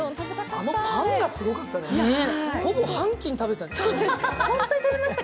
あのパンがすごかったね、ほぼ半斤食べてた。